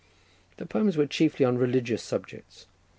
The poems were chiefly on religious subjects.